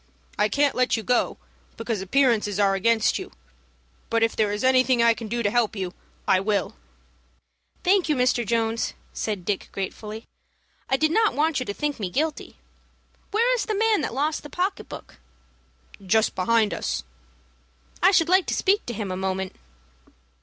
I can't let you go, because appearances are against you, but if there is anything I can do to help you I will." "Thank you, Mr. Jones," said Dick, gratefully. "I did not want you to think me guilty. Where is the man that lost the pocket book?" "Just behind us." "I should like to speak to him a moment."